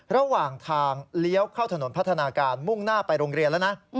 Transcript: ระหว่างทางเลี้ยวเข้าถนนพัฒนาการมุ่งหน้าไปโรงเรียนแล้วนะ